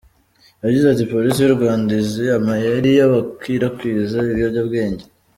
Yagize ati:"Polisi y’u Rwanda izi amayeri y’abakwirakwiza ibiyobyabwenge.